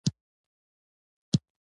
فکر په مخه کړ.